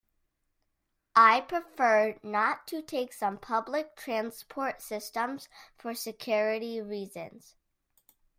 I prefer not to take some public transport systems for security reasons.